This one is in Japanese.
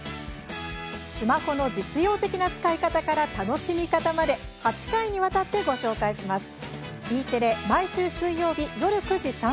スマホの実用的な使い方から楽しみ方まで８回にわたってご紹介します。